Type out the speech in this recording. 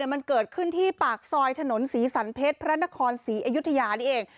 มันเกิดขึ้นที่ปากซอยถนนศรีสันเพชรพระนครศรีอยุธยานี่เอง